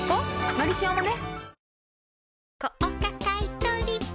「のりしお」もね